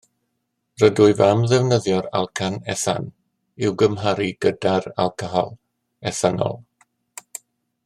Rydwyf am ddefnyddio'r alcan ethan i'w gymharu gyda'r alcohol ethanol